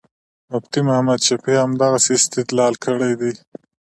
مفتي محمد شفیع همدغسې استدلال کړی دی.